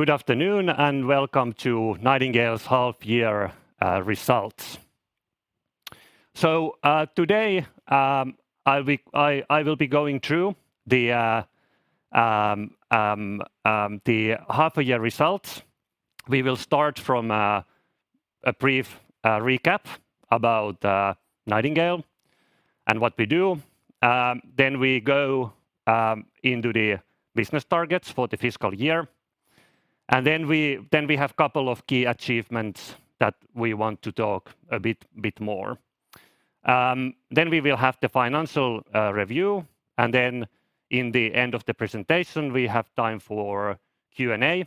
Good afternoon, and welcome to Nightingale's Half Year Results. Today, I will be going through the half-year results. We will start from a brief recap about Nightingale and what we do. Then we go into the business targets for the fiscal year. Then we have couple of key achievements that we want to talk a bit more. Then we will have the financial review, and then in the end of the presentation, we have time for Q&A.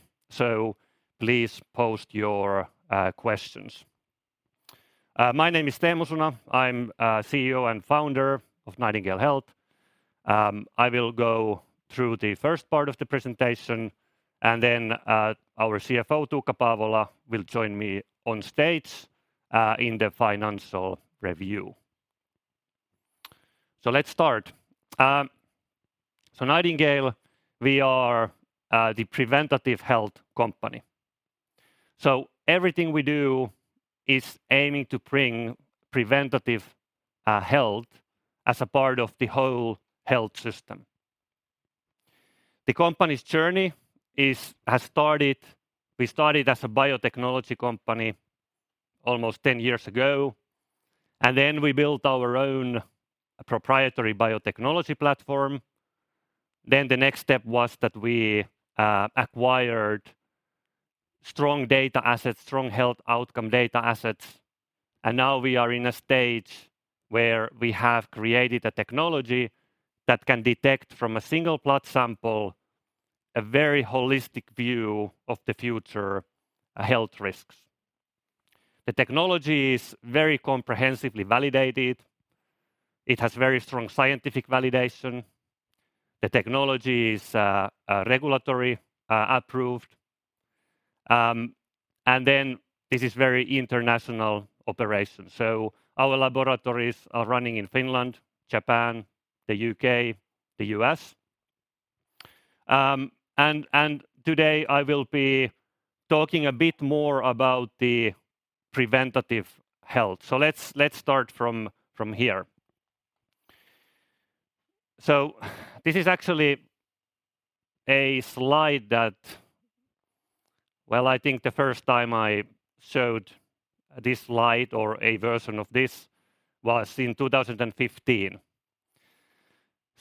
Please post your questions. My name is Teemu Suna. I'm CEO and Founder of Nightingale Health. I will go through the first part of the presentation. Then our CFO, Tuukka Paavola, will join me on stage in the financial review. Let's start. Nightingale, we are the preventative health company. Everything we do is aiming to bring preventative health as a part of the whole health system. We started as a biotechnology company almost 10 years ago, and then we built our own proprietary biotechnology platform. The next step was that we acquired strong data assets, strong health outcome data assets, and now we are in a stage where we have created a technology that can detect from a single blood sample a very holistic view of the future health risks. The technology is very comprehensively validated. It has very strong scientific validation. The technology is regulatory approved. This is very international operation. Our laboratories are running in Finland, Japan, the U.K., the U.S. Today I will be talking a bit more about the preventative health. Let's start from here. This is actually a slide that, well, I think the first time I showed this slide or a version of this was in 2015.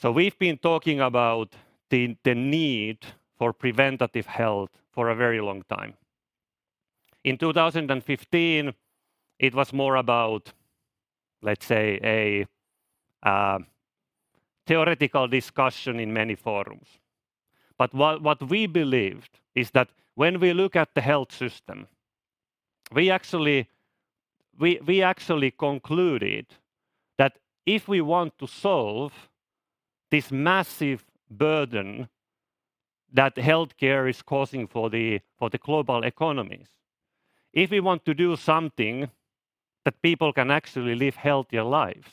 We've been talking about the need for preventative health for a very long time. In 2015, it was more about, let's say, a theoretical discussion in many forums. What we believed is that when we look at the health system, we actually concluded that if we want to solve this massive burden that healthcare is causing for the global economies, if we want to do something that people can actually live healthier lives,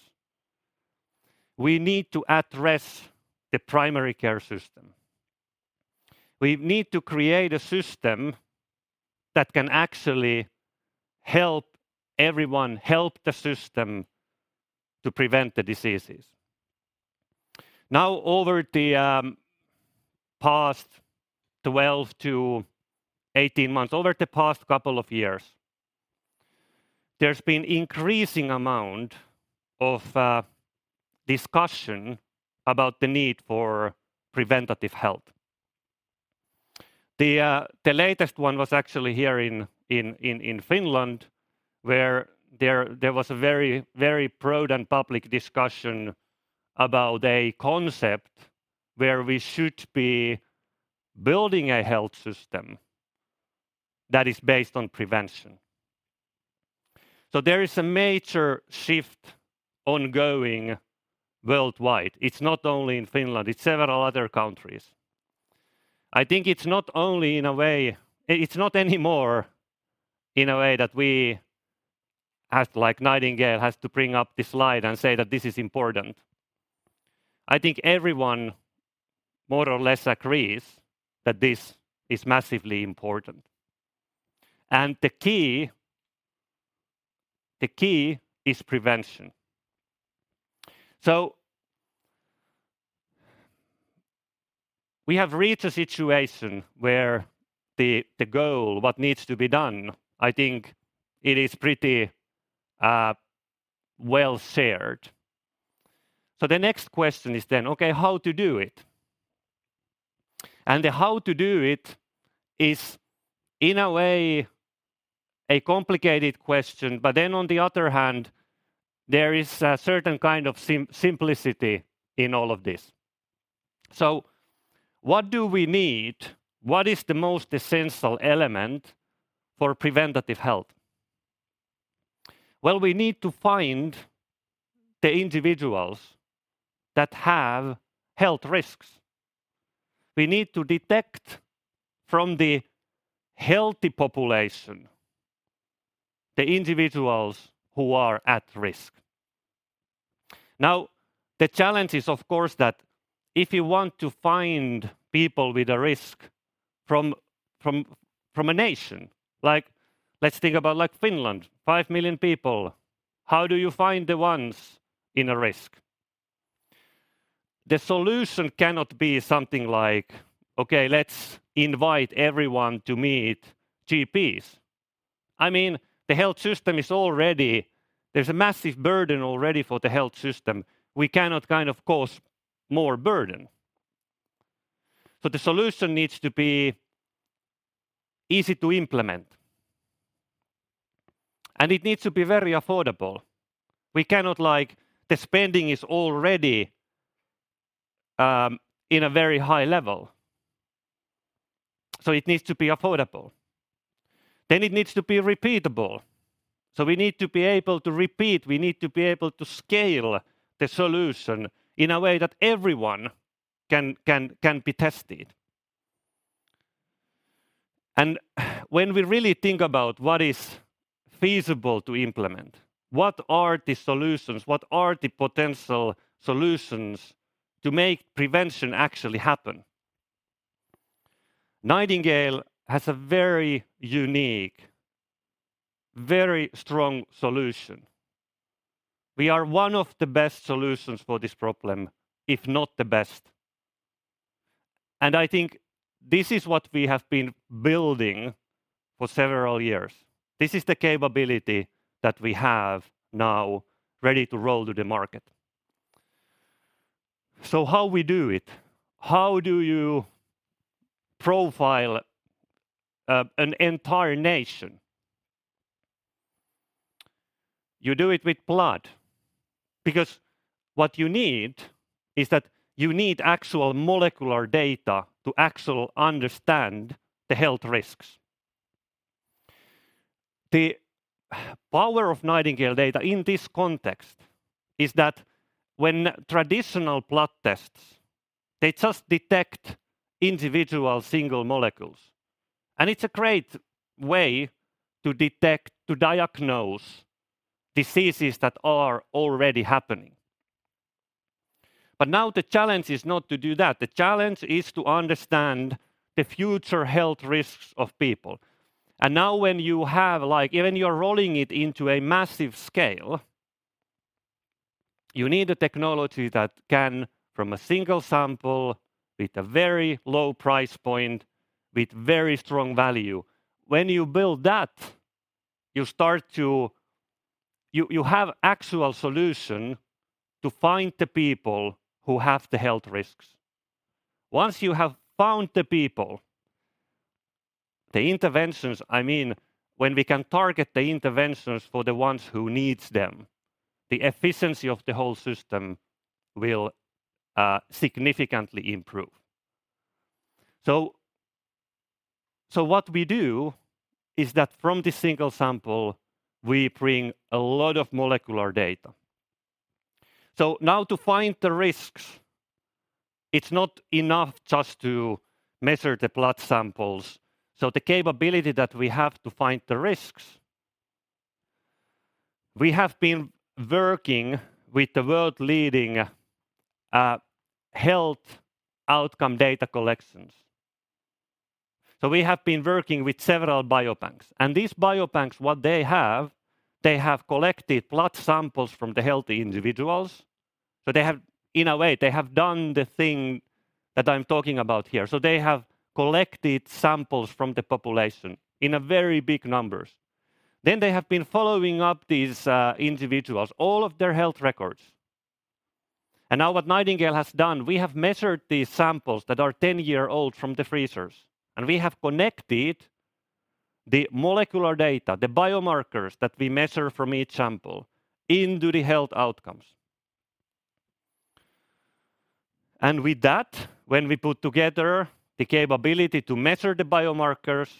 we need to address the primary care system. We need to create a system that can actually help everyone help the system to prevent the diseases. Over the past 12 to 18 months, over the past two years, there's been increasing amount of discussion about the need for preventative health. The latest one was actually here in Finland, where there was a very, very broad and public discussion about a concept where we should be building a health system that is based on prevention. There is a major shift ongoing worldwide. It's not only in Finland, it's several other countries. I think it's not only in a way it's not anymore in a way that we as, like Nightingale, has to bring up this slide and say that this is important. I think everyone more or less agrees that this is massively important. The key is prevention. We have reached a situation where the goal, what needs to be done, I think it is pretty well shared. The next question is then, okay, how to do it? The how to do it is, in a way, a complicated question, on the other hand, there is a certain kind of simplicity in all of this. What do we need? What is the most essential element for preventative health? Well, we need to find the individuals that have health risks. We need to detect from the healthy population the individuals who are at risk. Now, the challenge is of course that if you want to find people with a risk from a nation, let's think about Finland, five million people. How do you find the ones in a risk? The solution cannot be something like, "Okay, let's invite everyone to meet GPs." I mean, the health system is already. There's a massive burden already for the health system. We cannot kind of cause more burden. The solution needs to be easy to implement. It needs to be very affordable. We cannot like. The spending is already in a very high level. It needs to be affordable. It needs to be repeatable. We need to be able to repeat, we need to be able to scale the solution in a way that everyone can be tested. When we really think about what is feasible to implement, what are the solutions, what are the potential solutions to make prevention actually happen? Nightingale has a very unique, very strong solution. We are one of the best solutions for this problem, if not the best. I think this is what we have been building for several years. This is the capability that we have now ready to roll to the market. How we do it? How do you profile an entire nation? You do it with blood because what you need is that you need actual molecular data to actually understand the health risks. The power of Nightingale data in this context is that when traditional blood tests, they just detect individual single molecules. It's a great way to detect, to diagnose diseases that are already happening. Now the challenge is not to do that. The challenge is to understand the future health risks of people. Now when you have like even you're rolling it into a massive scale, you need a technology that can, from a single sample with a very low price point, with very strong value. When you build that, you have actual solution to find the people who have the health risks. Once you have found the people, the interventions. I mean, when we can target the interventions for the ones who needs them, the efficiency of the whole system will significantly improve. What we do is that from the single sample, we bring a lot of molecular data. Now to find the risks, it's not enough just to measure the blood samples. The capability that we have to find the risks, we have been working with the world-leading health outcome data collections. We have been working with several biobanks. These biobanks, what they have, they have collected blood samples from the healthy individuals. They have, in a way, they have done the thing that I'm talking about here. They have collected samples from the population in a very big numbers. They have been following up these individuals, all of their health records. Now what Nightingale has done, we have measured these samples that are 10-year-old from the freezers, and we have connected the molecular data, the biomarkers that we measure from each sample into the health outcomes. With that, when we put together the capability to measure the biomarkers,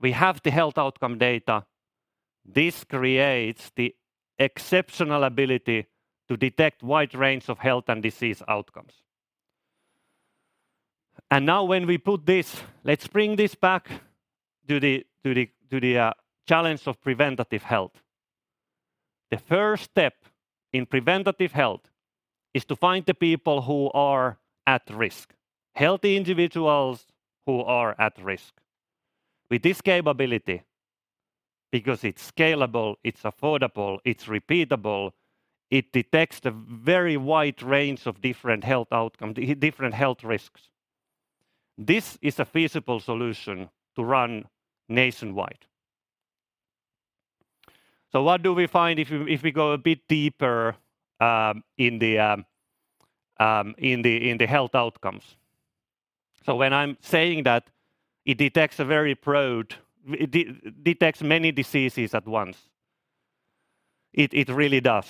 we have the health outcome data. This creates the exceptional ability to detect wide range of health and disease outcomes. Now when we put this, let's bring this back to the challenge of preventative health. The first step in preventative health is to find the people who are at risk. Healthy individuals who are at risk. With this capability, because it's scalable, it's affordable, it's repeatable, it detects a very wide range of different health outcome, different health risks. This is a feasible solution to run nationwide. What do we find if we go a bit deeper in the health outcomes? When I'm saying that it detects many diseases at once. It really does.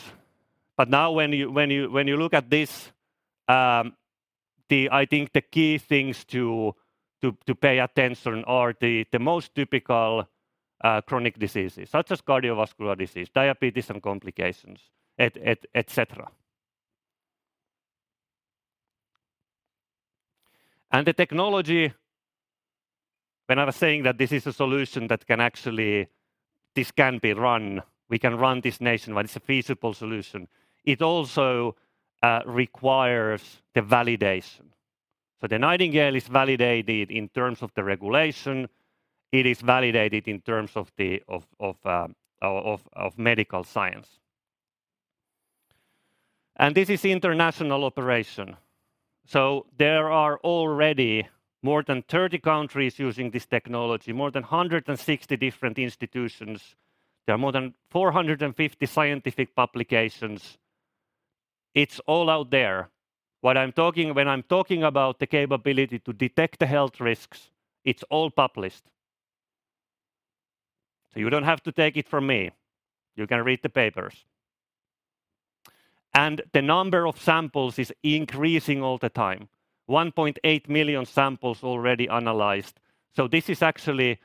Now when you look at this, I think the key things to pay attention are the most typical chronic diseases, such as cardiovascular disease, diabetes and complications, et cetera. The technology, when I was saying that this is a solution that can this can be run, we can run this nation, but it's a feasible solution, it also requires the validation. The Nightingale is validated in terms of the regulation, it is validated in terms of medical science. This is international operation. There are already more than 30 countries using this technology, more than 160 different institutions. There are more than 450 scientific publications. It's all out there. When I'm talking about the capability to detect the health risks, it's all published. You don't have to take it from me. You can read the papers. The number of samples is increasing all the time. 1.8 million samples already analyzed. This is actually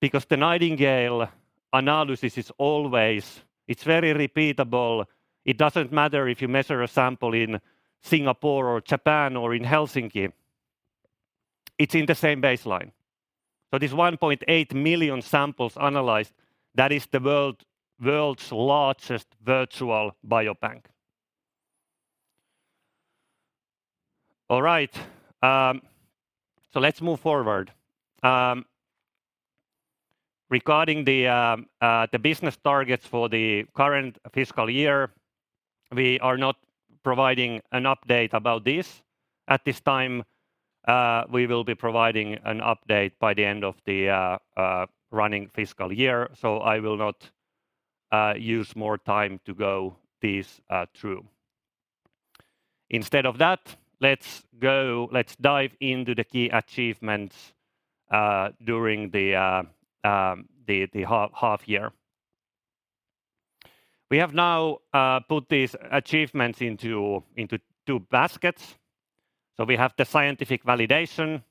because the Nightingale analysis is always, it's very repeatable. It doesn't matter if you measure a sample in Singapore or Japan or in Helsinki. It's in the same baseline. This 1.8 million samples analyzed, that is the world's largest virtual biobank. All right. Let's move forward. Regarding the business targets for the current fiscal year, we are not providing an update about this at this time. We will be providing an update by the end of the running fiscal year. I will not use more time to go this through. Instead of that, let's dive into the key achievements during the half year. We have now put these achievements into two baskets. We have the scientific validation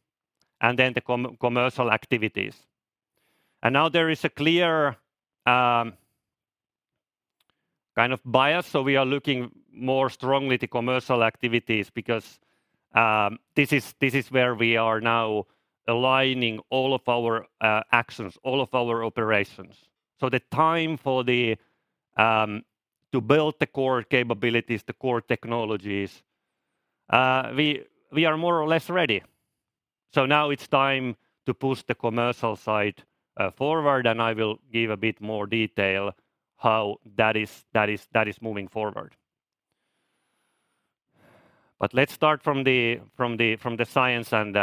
and then the commercial activities. Now there is a clear kind of bias. We are looking more strongly at the commercial activities because this is where we are now aligning all of our actions, all of our operations. The time for the to build the core capabilities, the core technologies, we are more or less ready. Now it's time to push the commercial side forward, and I will give a bit more detail how that is moving forward. Let's start from the science end.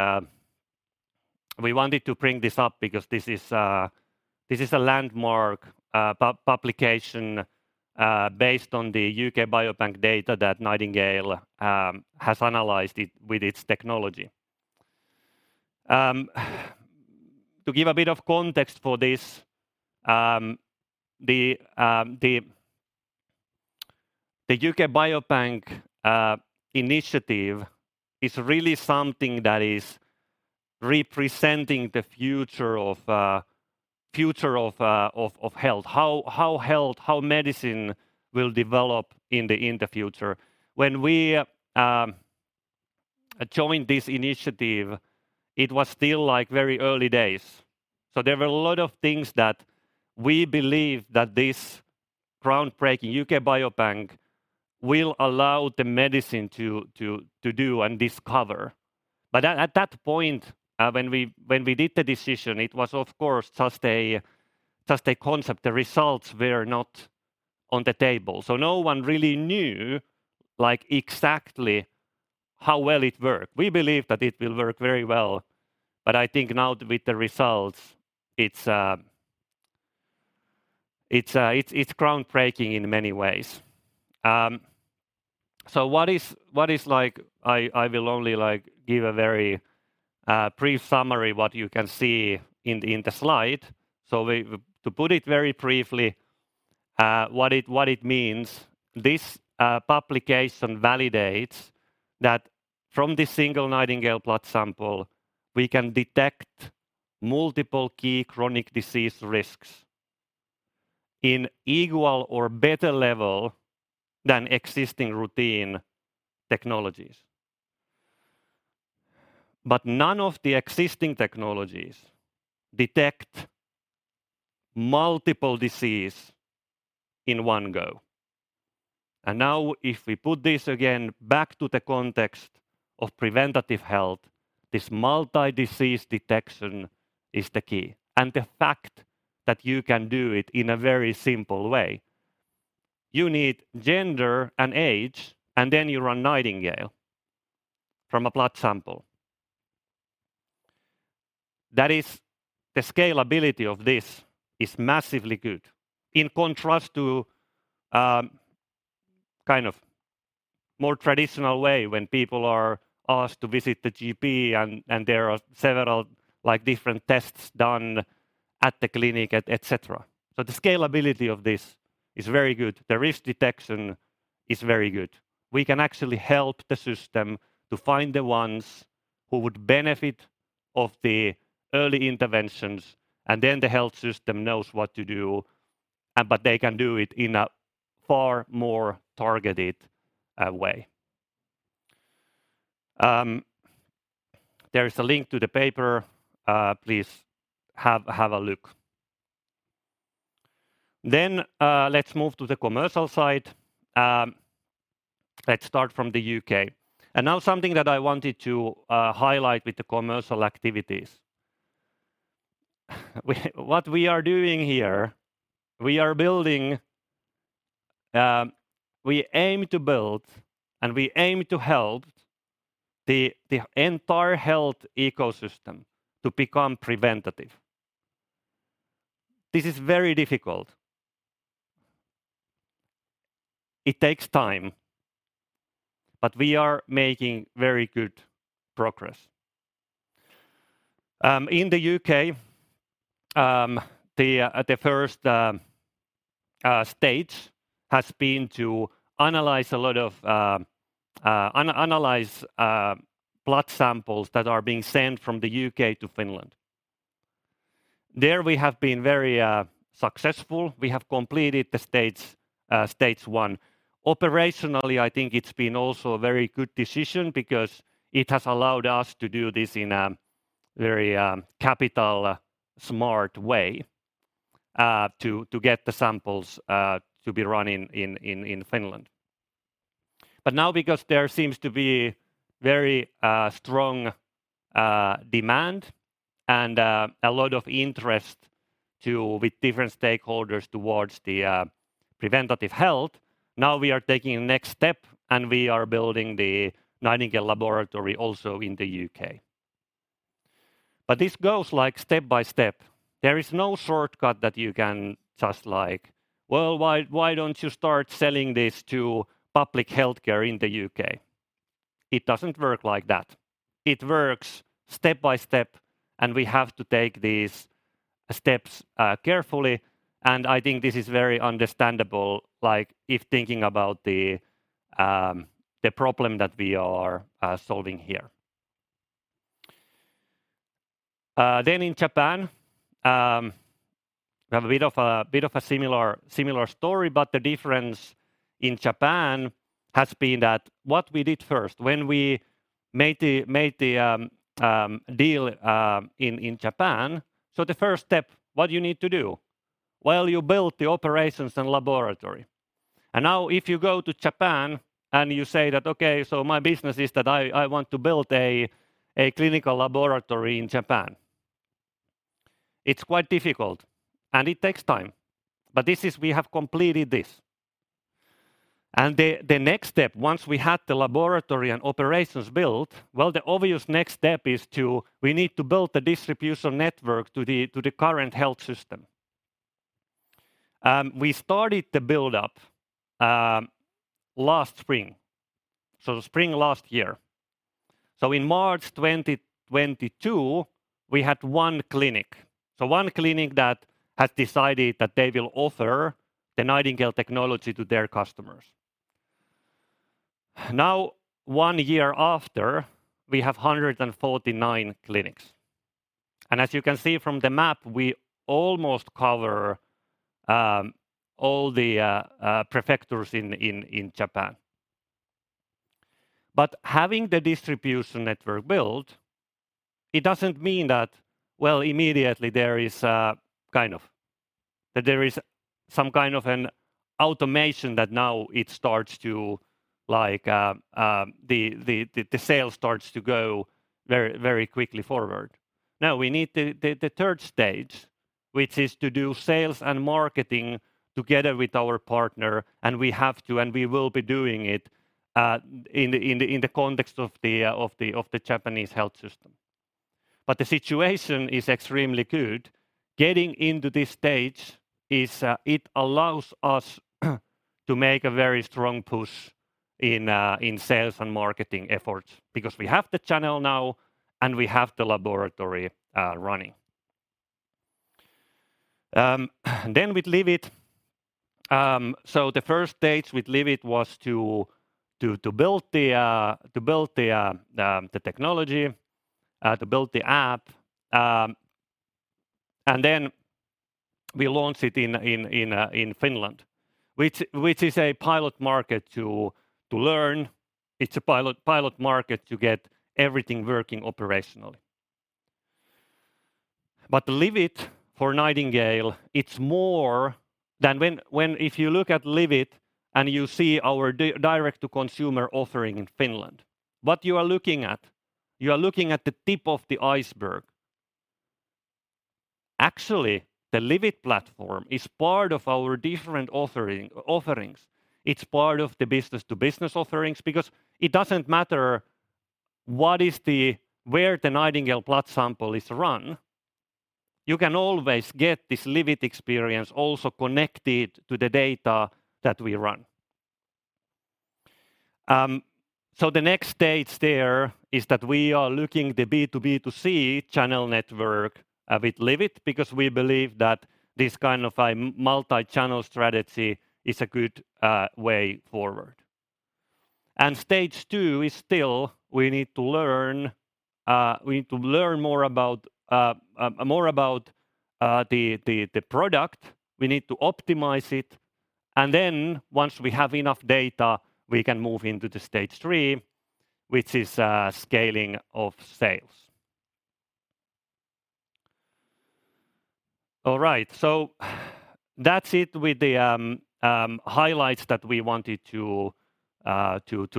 We wanted to bring this up because this is a landmark publication based on the UK Biobank data that Nightingale has analyzed it with its technology. To give a bit of context for this, the UK Biobank initiative is really something that is representing the future of health. How health, how medicine will develop in the future. When we joined this initiative, it was still like very early days. There were a lot of things that we believe that this groundbreaking UK Biobank will allow the medicine to do and discover. At that point, when we did the decision, it was of course just a concept. The results were not on the table. No one really knew, like, exactly how well it worked. We believe that it will work very well. I think now with the results, it's groundbreaking in many ways. I will only, like, give a very brief summary what you can see in the slide. To put it very briefly, what it means, this publication validates that from this single Nightingale blood sample, we can detect multiple key chronic disease risks in equal or better level than existing routine technologies. None of the existing technologies detect multiple disease in one go. Now, if we put this again back to the context of preventative health, this multi-disease detection is the key. The fact that you can do it in a very simple way. You need gender and age, and then you run Nightingale from a blood sample. That is the scalability of this is massively good, in contrast to kind of more traditional way when people are asked to visit the GP and there are several, like, different tests done at the clinic, etcetera. The scalability of this is very good. The risk detection is very good. We can actually help the system to find the ones who would benefit of the early interventions, and then the health system knows what to do. They can do it in a far more targeted way. There is a link to the paper, please have a look. Let's move to the commercial side. Let's start from the U.K. Now something that I wanted to highlight with the commercial activities. What we are doing here, we are building, we aim to build, and we aim to help the entire health ecosystem to become preventative. This is very difficult. It takes time, but we are making very good progress. In the U.K., the first stage has been to analyze a lot of analyze blood samples that are being sent from the U.K. to Finland. There we have been very successful. We have completed the stage one. Operationally, I think it's been also a very good decision because it has allowed us to do this in a very capital smart way to get the samples to be run in Finland. Now because there seems to be very strong demand and a lot of interest with different stakeholders towards the preventative health, now we are taking the next step, and we are building the Nightingale laboratory also in the U.K. This goes, like, step by step. There is no shortcut that you can just like, "Well, why don't you start selling this to public healthcare in the U.K.?" It doesn't work like that. It works step by step, and we have to take these steps carefully, and I think this is very understandable, like, if thinking about the problem that we are solving here. In Japan, we have a bit of a similar story, but the difference in Japan has been that what we did first when we made the deal, in Japan. The first step, what you need to do? Well, you build the operations and laboratory. Now if you go to Japan and you say that, "Okay, so my business is that I want to build a clinical laboratory in Japan," it's quite difficult, and it takes time. This is, we have completed this. The next step, once we had the laboratory and operations built, well, the obvious next step is to we need to build the distribution network to the current health system. We started the build-up last spring, so the spring last year. In March 2022, we had one clinic. One clinic that had decided that they will offer the Nightingale technology to their customers. Now, one year after, we have 149 clinics. As you can see from the map, we almost cover all the prefectures in Japan. Having the distribution network built, it doesn't mean that, well, immediately there is some kind of an automation that now it starts to go very quickly forward. Now we need the third stage, which is to do sales and marketing together with our partner, and we will be doing it in the context of the Japanese health system. The situation is extremely good. Getting into this stage, it allows us to make a very strong push in sales and marketing efforts because we have the channel now, and we have the laboratory running. With Livit. The first stage with Livit was to build the technology, to build the app, we launched it in Finland, which is a pilot market to learn. It's a pilot market to get everything working operationally. Livit for Nightingale, it's more than when if you look at Livit, and you see our direct-to-consumer offering in Finland, what you are looking at, you are looking at the tip of the iceberg. Actually, the Livit platform is part of our different offerings. It's part of the business-to-business offerings because it doesn't matter what is where the Nightingale blood sample is run. You can always get this Livit experience also connected to the data that we run. The next stage there is that we are looking the B2B2C channel network with Livit because we believe that this kind of a multi-channel strategy is a good way forward. Stage two is still we need to learn, we need to learn more about the product. We need to optimize it, and then once we have enough data, we can move into the stage three, which is scaling of sales. All right. That's it with the highlights that we wanted to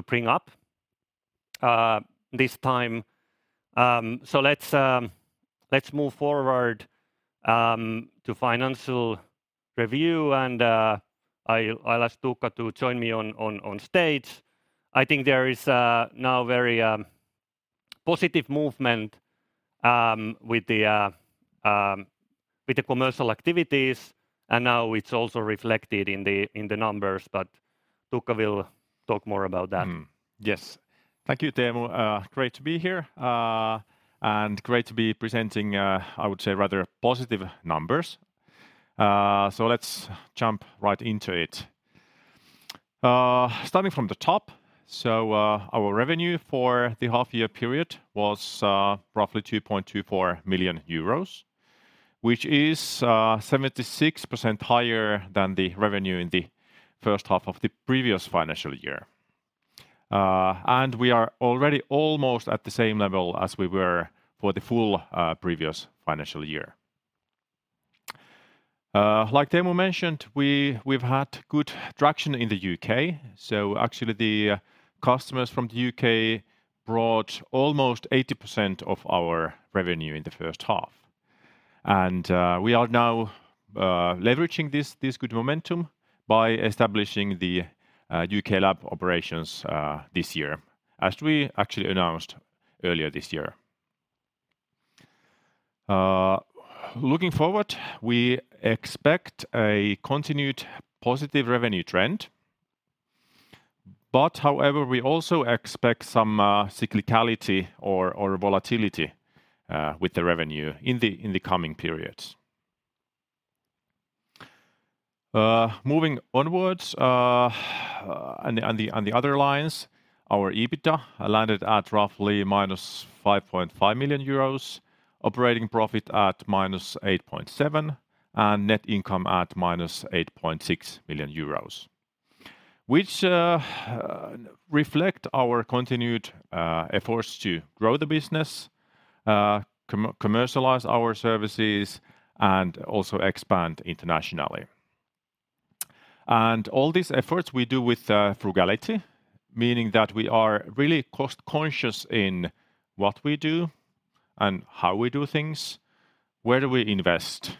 bring up this time. Let's move forward to financial review. I'll ask Tuukka to join me on stage. I think there is now very positive movement with the commercial activities and now it's also reflected in the numbers. Tuukka will talk more about that. Yes. Thank you, Teemu. Great to be here and great to be presenting, I would say rather positive numbers. Let's jump right into it. Starting from the top. Our revenue for the half year period was roughly 2.24 million euros, which is 76% higher than the revenue in the first half of the previous financial year. We are already almost at the same level as we were for the full previous financial year. Like Teemu mentioned, we've had good traction in the U.K., actually the customers from the U.K. brought almost 80% of our revenue in the first half. We are now leveraging this good momentum by establishing the U.K. lab operations this year, as we actually announced earlier this year. Looking forward, we expect a continued positive revenue trend. However, we also expect some cyclicality or volatility with the revenue in the coming periods. Moving onwards, on the other lines, our EBITDA landed at roughly minus 5.5 million euros, operating profit at minus 8.7, and net income at minus 8.6 million euros, which reflect our continued efforts to grow the business, commercialize our services, and also expand internationally. All these efforts we do with frugality, meaning that we are really cost-conscious in what we do and how we do things, where do we invest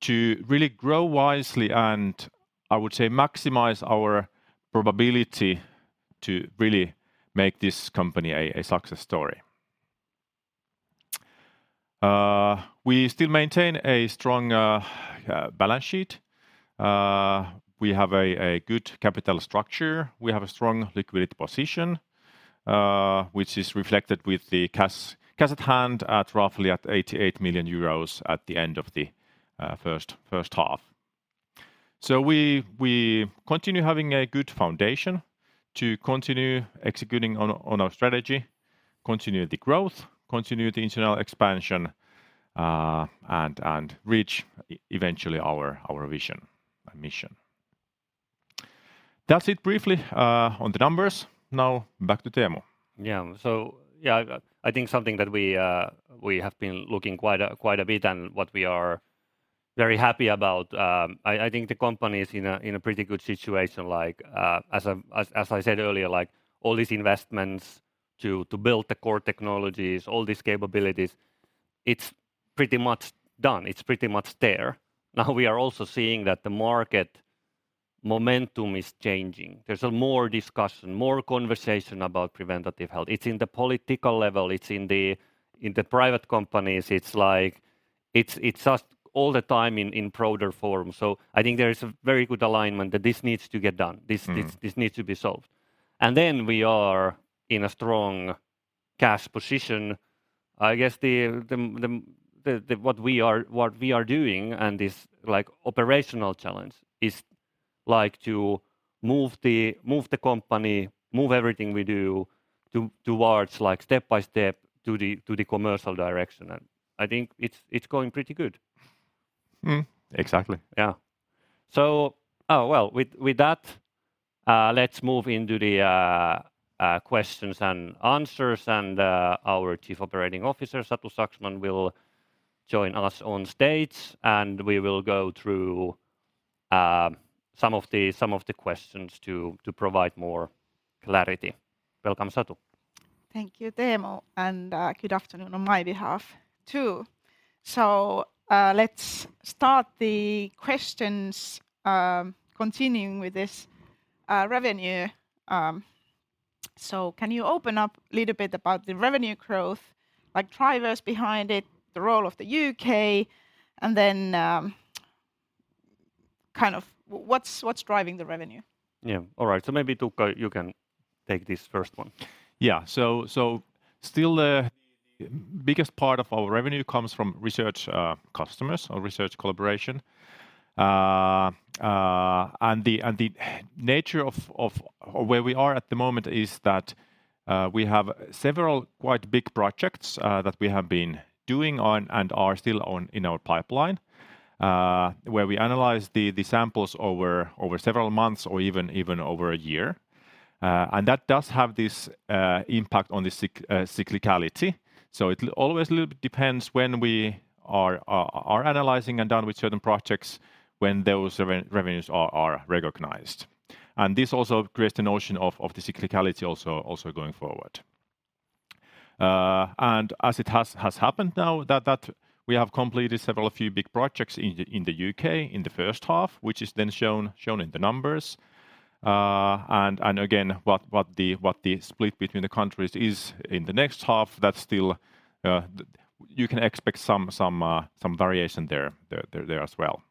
to really grow wisely and, I would say, maximize our probability to really make this company a success story. We still maintain a strong balance sheet. We have a good capital structure. We have a strong liquidity position, which is reflected with the cash at hand at roughly 88 million euros at the end of the first half. We continue having a good foundation to continue executing on our strategy, continue the growth, continue the internal expansion, and reach eventually our vision and mission. That's it briefly on the numbers. Now back to Teemu. Yeah. Yeah, I think something that we have been looking quite a bit and what we are very happy about. I think the company is in a pretty good situation like as I said earlier, like all these investments to build the core technologies, all these capabilities, it's pretty much done. It's pretty much there. Now we are also seeing that the market momentum is changing. There's a more discussion, more conversation about preventative health. It's in the political level. It's in the private companies. It's like it's just all the time in broader form. I think there is a very good alignment that this needs to get done. This this needs to be solved. We are in a strong cash position. I guess what we are doing and this like operational challenge is like to move the company, move everything we do towards like step by step to the commercial direction. I think it's going pretty good. Exactly. Yeah. Well, with that, let's move into the questions and answers, and our Chief Operating Officer, Satu Saksman, will join us on stage, and we will go through some of the questions to provide more clarity. Welcome, Satu. Thank you, Teemu, good afternoon on my behalf too. Let's start the questions, continuing with this revenue. Can you open up a little bit about the revenue growth, like drivers behind it, the role of the U.K., and then, what's driving the revenue? Yeah. All right. Maybe Tuukka you can take this first one. Still, the biggest part of our revenue comes from research customers or research collaboration. And the nature of where we are at the moment is that we have several quite big projects that we have been doing on and are still on in our pipeline, where we analyze the samples over several months or even over a year. That does have this impact on the cyclicality. It always little bit depends when we are analyzing and done with certain projects when those revenues are recognized. This also creates the notion of the cyclicality also going forward. As it has happened now that we have completed several few big projects in the U.K. in the first half, which is then shown in the numbers. Again what the split between the countries is in the next half, that's still, you can expect some variation there as well.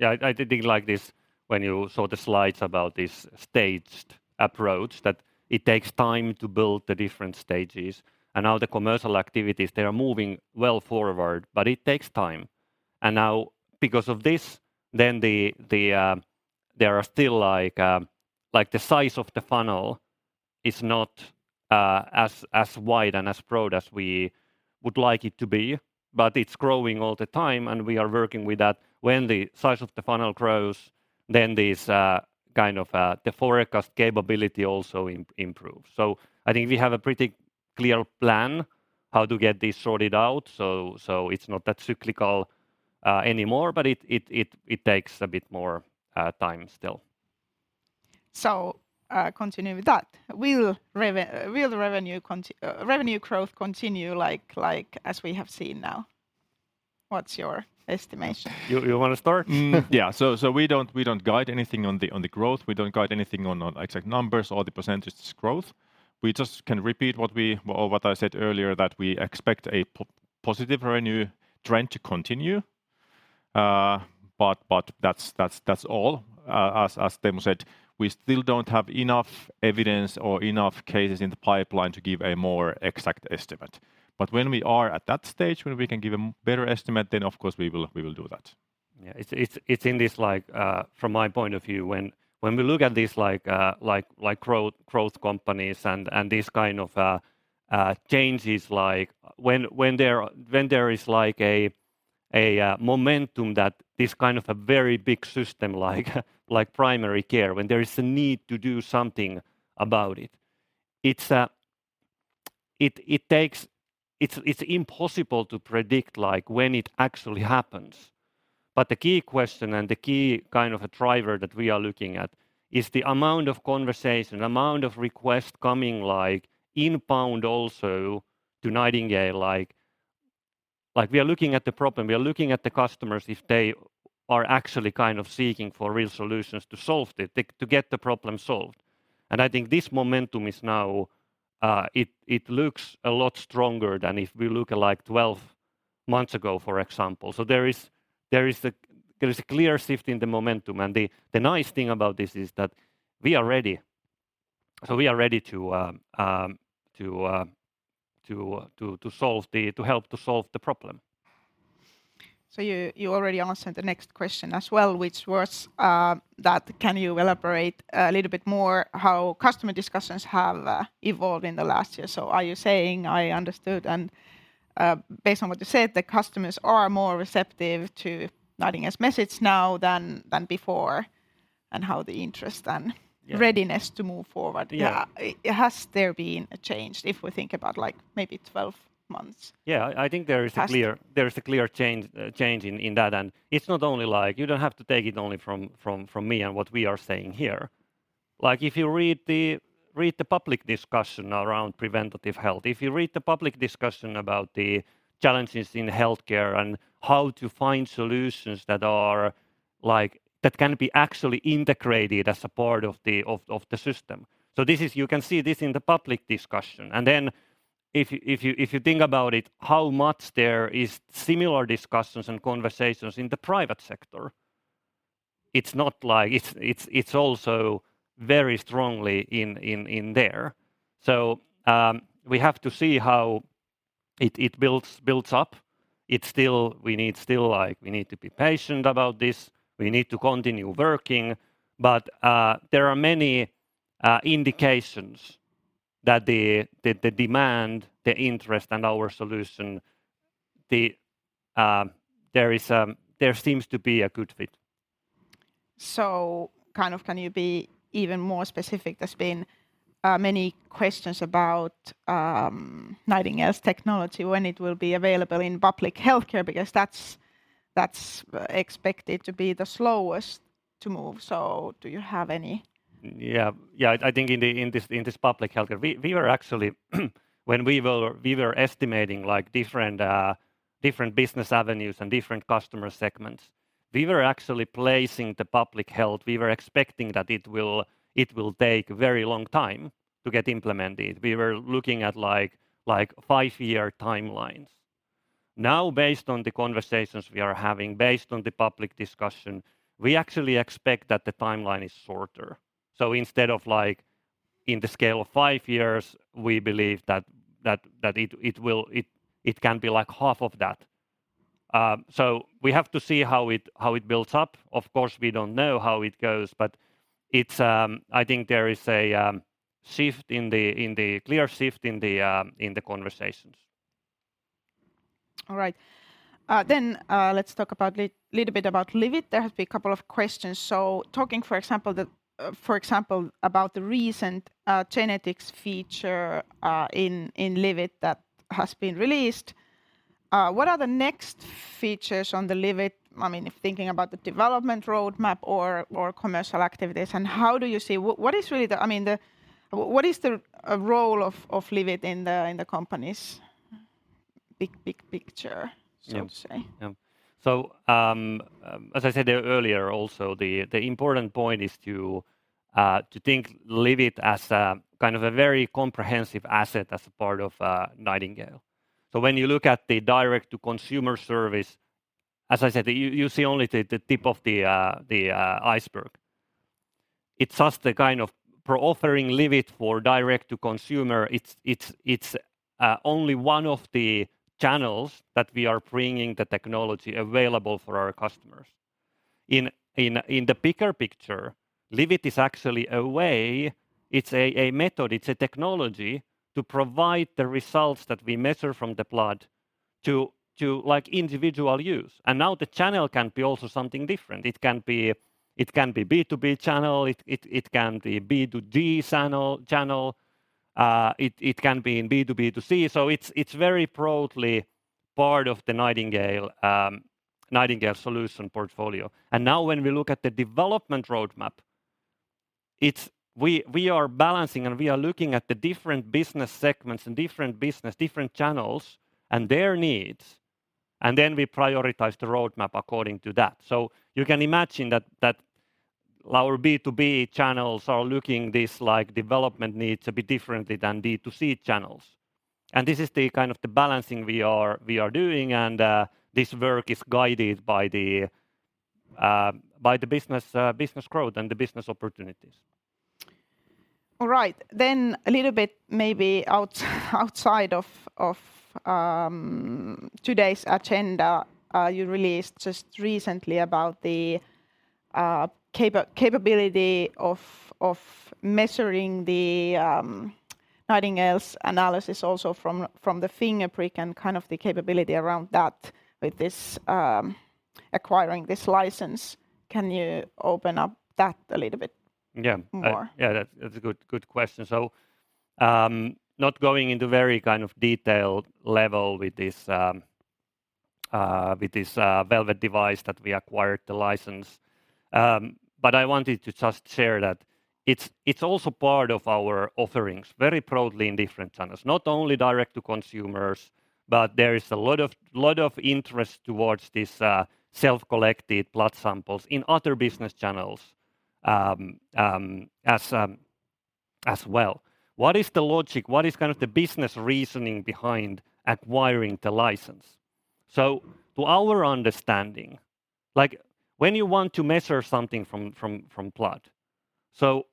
I did think like this when you saw the slides about this staged approach, that it takes time to build the different stages. Now the commercial activities, they are moving well forward, but it takes time. Now because of this, then the, there are still like the size of the funnel is not as wide and as broad as we would like it to be, but it's growing all the time, and we are working with that. When the size of the funnel grows, then this kind of the forecast capability also improves. I think we have a pretty clear plan how to get this sorted out, so it's not that cyclical anymore, but it takes a bit more time still. Continue with that. Will the revenue growth continue like, as we have seen now? What's your estimation? You wanna start? So we don't guide anything on the growth. We don't guide anything on exact numbers or the percentages growth. We just can repeat what we or what I said earlier, that we expect a positive revenue trend to continue. But that's all. As Teemu said, we still don't have enough evidence or enough cases in the pipeline to give a more exact estimate. When we are at that stage where we can give a better estimate, then of course we will do that. It's in this like from my point of view, when we look at this like growth companies and this kind of changes, like when there is like a momentum that this kind of a very big system like primary care, when there is a need to do something about it, It's impossible to predict like when it actually happens. The key question and the key kind of a driver that we are looking at is the amount of conversation, amount of requests coming like inbound also to Nightingale. Like we are looking at the problem, we are looking at the customers, if they are actually kind of seeking for real solutions to get the problem solved. I think this momentum is now, it looks a lot stronger than if we look at like 12 months ago, for example. There is a clear shift in the momentum. The nice thing about this is that we are ready. We are ready to help to solve the problem. You already answered the next question as well, which was, that can you elaborate a little bit more how customer discussions have evolved in the last year? Are you saying I understood, and based on what you said, the customers are more receptive to Nightingale's message now than before, and how the interest and. Yeah Readiness to move forward. Yeah. Has there been a change if we think about like maybe 12 months? Yeah. Has There is a clear change in that. It's not only like you don't have to take it only from me and what we are saying here. Like, if you read the public discussion around preventative health, if you read the public discussion about the challenges in healthcare and how to find solutions that are like, that can be actually integrated as a part of the system. You can see this in the public discussion. Then if you think about it, how much there is similar discussions and conversations in the private sector, it's not like it's also very strongly in there. We have to see how it builds up. We need still like, we need to be patient about this. We need to continue working. There are many indications that the, the demand, the interest and our solution, the, there is, there seems to be a good fit. kind of can you be even more specific? There's been many questions about Nightingale's technology, when it will be available in public healthcare, because that's expected to be the slowest to move. Do you have any? Yeah. I think in this public healthcare, we were actually when we were estimating like different business avenues and different customer segments, we were actually placing the public health. We were expecting that it will take very long time to get implemented. We were looking at like five-year timelines. Now based on the conversations we are having, based on the public discussion, we actually expect that the timeline is shorter. Instead of like in the scale of five years, we believe that it can be like half of that. We have to see how it builds up. Of course, we don't know how it goes, but it's, I think there is a clear shift in the conversations. All right. Let's talk about little bit about Livit. There have been a couple of questions. Talking for example, about the recent genetics feature in Livit that has been released. What are the next features on the Livit? I mean, if thinking about the development roadmap or commercial activities and how do you see. What is really the, I mean, the what is the role of Livit in the company's big picture. Yeah So to say? Yeah. As I said earlier also, the important point is to think Livit as a kind of a very comprehensive asset as a part of Nightingale. When you look at the direct-to-consumer service, as I said, you see only the tip of the iceberg. It's just the kind of for offering Livit for direct-to-consumer, it's only one of the channels that we are bringing the technology available for our customers. In the bigger picture, Livit is actually a way, it's a method, it's a technology to provide the results that we measure from the blood to like individual use. Now the channel can be also something different. It can be B2B channel, it can be B2D channel, it can be in B2B2C. It's very broadly part of the Nightingale solution portfolio. Now when we look at the development roadmap, we are balancing and we are looking at the different business segments and different channels and their needs, and then we prioritize the roadmap according to that. You can imagine that our B2B channels are looking this like development needs a bit differently than D2C channels. This is the kind of the balancing we are doing, and this work is guided by the business growth and the business opportunities. All right. A little bit maybe outside of today's agenda, you released just recently about the capability of measuring the Nightingale's analysis also from the finger prick and kind of the capability around that with this acquiring this license. Can you open up that a little bit. Yeah More? Yeah. That's a good question. Not going into very kind of detailed level with this Velvet device that we acquired the license. But I wanted to just share that it's also part of our offerings very broadly in different channels, not only direct-to-consumer, but there is a lot of interest towards these self-collected blood samples in other business channels as well. What is the logic? What is kind of the business reasoning behind acquiring the license? To our understanding, like when you want to measure something from blood, so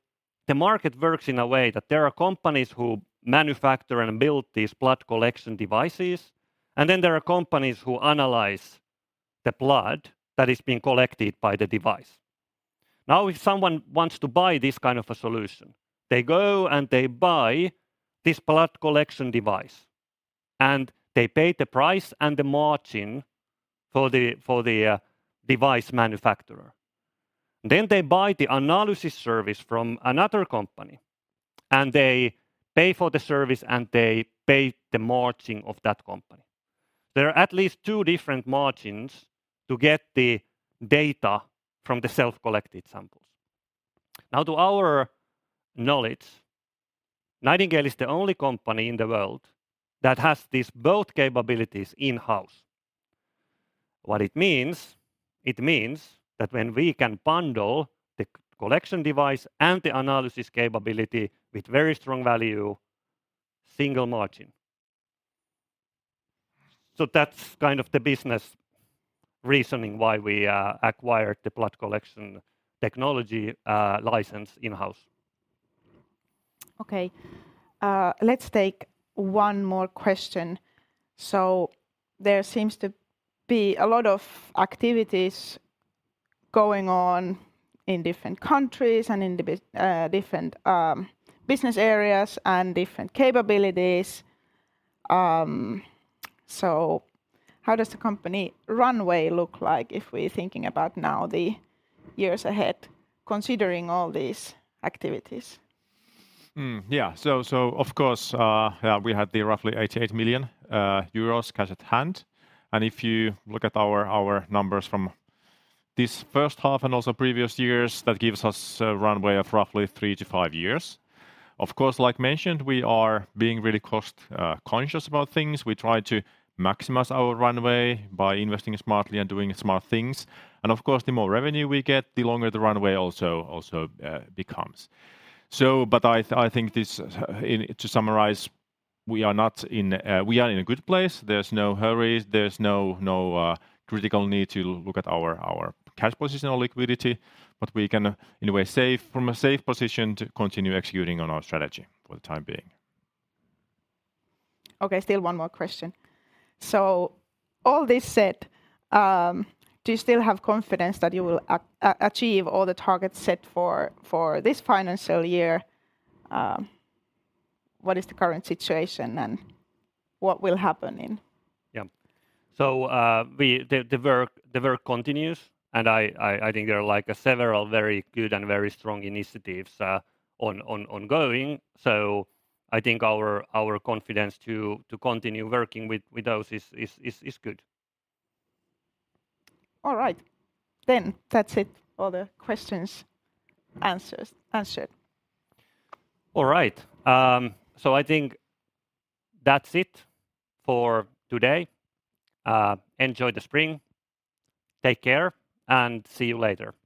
the market works in a way that there are companies who manufacture and build these blood collection devices, and then there are companies who analyze the blood that is being collected by the device. If someone wants to buy this kind of a solution, they go and they buy this blood collection device, and they pay the price and the margin for the, for the device manufacturer. They buy the analysis service from another company, and they pay for the service, and they pay the margin of that company. There are at least two different margins to get the data from the self-collected samples. To our knowledge, Nightingale is the only company in the world that has these both capabilities in-house. What it means that when we can bundle the collection device and the analysis capability with very strong value, single margin. That's kind of the business reasoning why we acquired the blood collection technology license in-house. Okay. Let's take one more question. There seems to be a lot of activities going on in different countries and in different business areas and different capabilities. How does the company runway look like if we're thinking about now the years ahead considering all these activities? Yeah. So of course, yeah, we had roughly 88 million euros cash at hand. If you look at our numbers from this first half and also previous years, that gives us a runway of roughly three to five years. Of course, like mentioned, we are being really cost conscious about things. We try to maximize our runway by investing smartly and doing smart things. Of course, the more revenue we get, the longer the runway also becomes. But I think to summarize, we are in a good place. There's no hurry. There's no critical need to look at our cash position or liquidity, but we can in a way safe, from a safe position to continue executing on our strategy for the time being. Okay. Still one more question. All this said, do you still have confidence that you will achieve all the targets set for this financial year? What is the current situation and what will happen in? Yeah. The work continues. I think there are like several very good and very strong initiatives, ongoing. I think our confidence to continue working with those is good. All right. That's it. All the questions answered. All right. I think that's it for today. Enjoy the spring. Take care, and see you later.